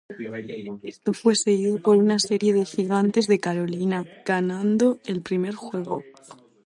Esto fue seguido por una serie ante Gigantes de Carolina, ganando el primer juego.